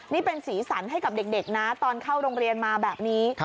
นี่เป็นสีสันให้กับเด็กนะตอนเข้าโรงเรียนมาแบบนี้